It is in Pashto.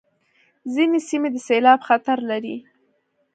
ځینې سیمې د سېلاب خطر لري.